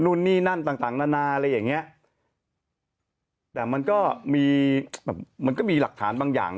นู่นนี่นั่นต่างต่างนานาอะไรอย่างเงี้ยแต่มันก็มีแบบมันก็มีหลักฐานบางอย่าง